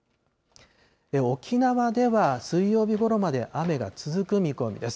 沖縄では水曜日ごろまで雨が続く見込みです。